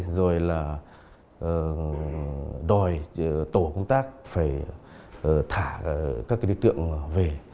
rồi là đòi tổ công tác phải thả các đối tượng về